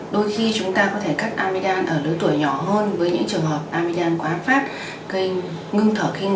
đôi khi chúng ta có thể cắt amidam ở lứa tuổi nhỏ hơn với những trường hợp amidam quá phát gây ngưng thở khi ngủ